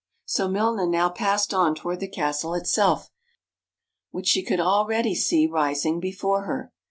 So Milna now passed on toward the castle itself, which she could already see rising before her.